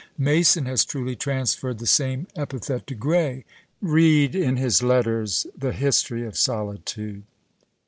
Mason has truly transferred the same epithet to Gray. Bead in his letters the history of solitude.